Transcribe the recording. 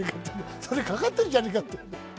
それ、かかってるじゃねえかって。